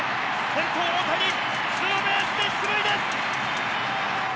先頭大谷ツーベースで出塁です！